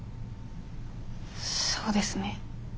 そうですね